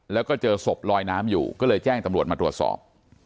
แล้วก็เจอศพลอยน้ำอยู่ก็เลยแจ้งตำรวจมาตรวจสอบ